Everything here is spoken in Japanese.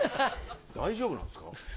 大丈夫なんですか？